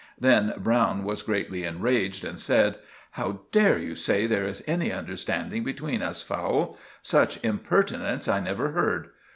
Then Browne was greatly enraged and said— "How dare you say there is any understanding between us, Fowle? Such impertinence I never heard!